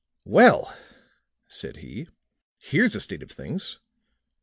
"Well," said he, "here's a state of things.